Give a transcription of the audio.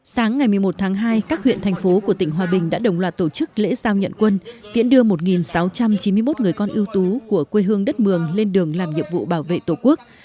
sáng ngày một mươi một tháng hai các huyện thành phố của tỉnh hòa bình đã đồng loạt tổ chức lễ giao nhận quân tiễn đưa một sáu trăm chín mươi một người con ưu tú của quê hương đất mường lên đường làm nhiệm vụ bảo vệ tổ quốc